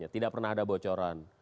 tidak pernah ada bocoran